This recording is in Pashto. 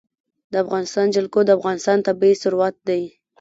د افغانستان جلکو د افغانستان طبعي ثروت دی.